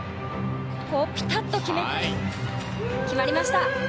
ピタッと決まりました。